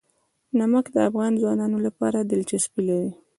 نمک د افغان ځوانانو لپاره دلچسپي لري.